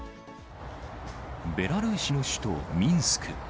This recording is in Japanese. ベラルーシの首都ミンスク。